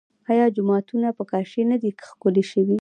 آیا جوماتونه په کاشي نه دي ښکلي شوي؟